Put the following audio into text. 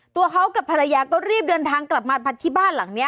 ตัวเขากับภรรยาก็รีบเดินทางกลับมาที่บ้านหลังนี้